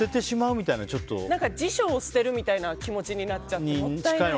辞書を捨てるみたいな気持ちになっちゃってもったいない。